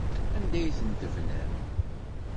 Anda ay ten-tebnam?